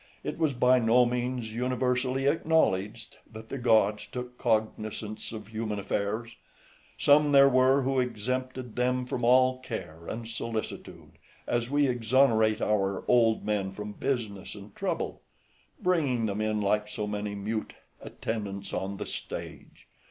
It was by no means universally acknowledged that the gods took cognisance of human affairs; some there were who exempted them from all care and solicitude, as we exonerate our old men from business and trouble; bringing them in like so many mute attendants on the stage.